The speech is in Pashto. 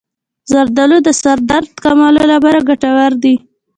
زردآلو د سر درد کمولو لپاره ګټور دي.